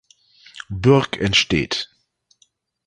Bürg entsteht.